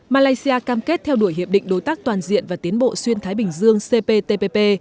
malaysia cam kết theo đuổi hiệp định đối tác toàn diện và tiến bộ xuyên thái bình dương cptpp